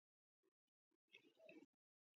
რაღაც სასწაულს აქვს ადგილი, რომლის ახსნაც შეუძლებელია.